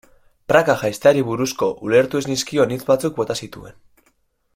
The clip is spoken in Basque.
Praka jaisteari buruzko ulertu ez nizkion hitz batzuk bota zituen.